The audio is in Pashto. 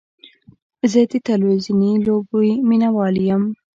زه د تلویزیوني لوبې مینهوال یم.